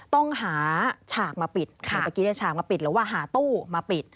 ต้องหาฉากมาปิดค่ะเมื่อกี้ฉากมาปิดหรือว่าหาตู้มาปิด